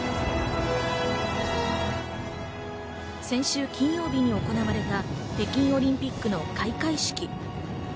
先週金曜日に行われた北京オリンピックの開会式。